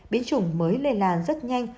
biến chủng mới lây lan rất nhanh